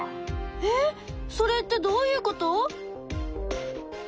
えっそれってどういうこと？